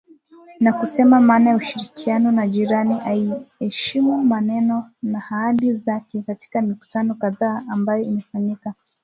Na kusema maana ya ushirikiano na jirani aiyeheshimu maneno na ahadi zake katika mikutano kadhaa ambayo imefanyika